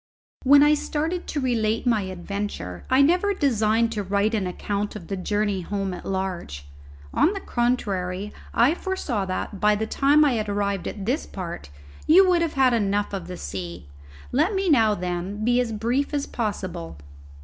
When I started to relate my adventure I never designed to write an account of the journey home at large. On the contrary, I foresaw that, by the time I had arrived at this part, you would have had enough of the sea. Let me now, then, be as brief as possible.